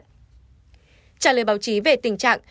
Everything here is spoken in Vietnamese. trả lời báo chí về tình trạng